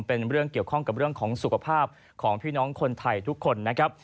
เป็นเรื่องเกี่ยวข้องกับเรื่องของสุขภาพของพี่น้องคนไทยทุกคนนะครับ